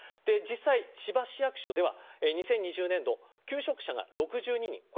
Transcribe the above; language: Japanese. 実際、千葉市役所では２０２０年度休職者が６２人。